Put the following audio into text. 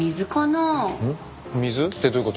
水？ってどういう事？